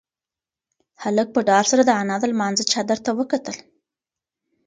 هلک په ډار سره د انا د لمانځه چادر ته وکتل.